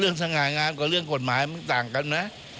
สง่างามกับเรื่องกฎหมายมันต่างกันไหม